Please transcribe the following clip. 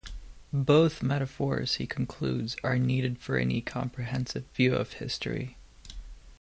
Both metaphors, he concludes, are needed for any comprehensive view of history.